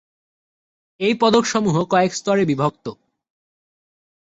এই পদক সমূহ কয়েক স্তরে বিভক্ত।